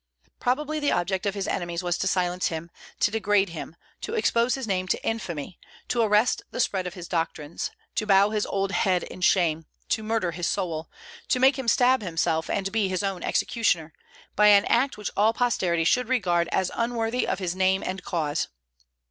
Probably the object of his enemies was to silence him, to degrade him, to expose his name to infamy, to arrest the spread of his doctrines, to bow his old head in shame, to murder his soul, to make him stab himself, and be his own executioner, by an act which all posterity should regard as unworthy of his name and cause.